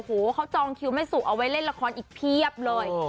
โอ้โหเขาจองคิวแม่สุเอาไว้เล่นละครอีกเพียบเลย